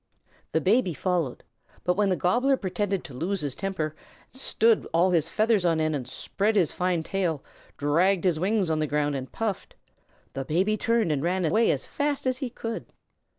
The Baby followed, but when the Gobbler pretended to lose his temper, stood all his feathers on end, spread his fine tail, dragged his wings on the ground, and puffed, the Baby turned and ran away as fast as he could.